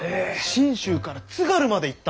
信州から津軽まで行ったんだ。